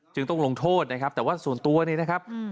จึงต้องลงโทษนะครับแต่ว่าส่วนตัวเนี่ยนะครับ